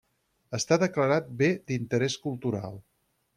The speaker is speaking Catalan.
Està declarat Bé d'interès cultural.